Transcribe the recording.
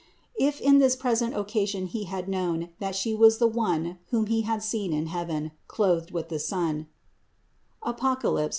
If in this present occasion he had known that She was the One whom he had seen in heaven clothed with the sun and (Apoc.